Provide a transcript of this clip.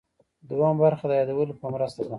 دوهمه برخه د یادولو په مرسته ده.